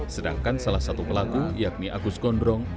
sedangkan salah satu pelaku yakni agus gondrong